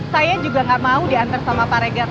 saya juga nggak mau diantar sama pak regar